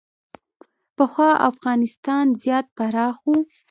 پخوا افغانستان زیات پراخ و